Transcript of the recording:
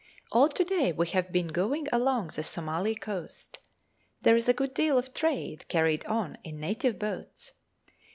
All to day we have been going along the Soumali coast. There is a good deal of trade carried on in native boats.